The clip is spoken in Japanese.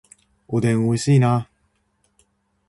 おでん美味しいな